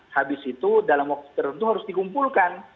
habis itu dalam waktu tertentu harus dikumpulkan